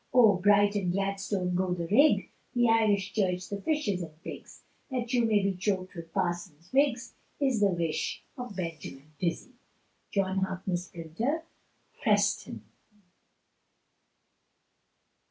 Oh, Bright and Gladstone go the rig, The Irish Church the fishes and pigs, That you may be choked with Parsons' wigs, Is the wish of Benjamin Dizzy. John Harkness, Printer, Preston.